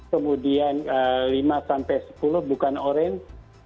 kemudian lima sampai sepuluh bukan orange